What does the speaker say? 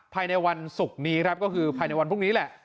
ภายในวันศุกร์นี้ครับก็คือภายในวันพรุ่งนี้แหละ